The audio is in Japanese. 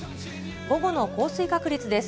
午後の降水確率です。